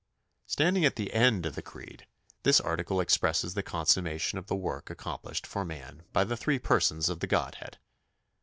" Standing at the end of the Creed, this article expresses the consummation of the work accomplished for man by the Three Persons of the Godhead.